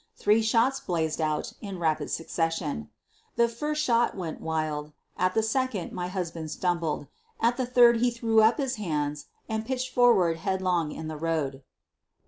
Three shots blazed out in rapid suc cession. The first shot went wild. At the second my hus band stumbled. At the third he threw up his hands and pitched forward headlong in the road.